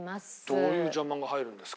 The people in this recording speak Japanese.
どういう邪魔が入るんですか？